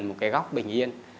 một cái góc bình yên